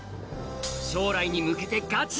将来に向けてガチ！